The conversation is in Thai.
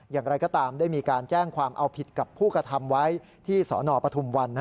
อย่างไรก็ตามได้มีการแจ้งความเอาผิดกับผู้กระทำไว้ที่สนปฐุมวัน